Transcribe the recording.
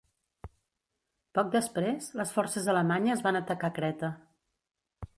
Poc després, les forces alemanyes van atacar Creta.